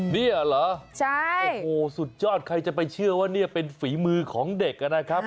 เนี่ยเหรอโอ้โหสุดยอดใครจะไปเชื่อว่านี่เป็นฝีมือของเด็กนะครับ